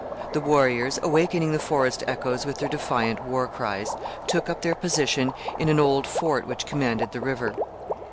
The warriors, awakening the forest echoes with their defiant war cries, took up their position in an old fort which commanded the river.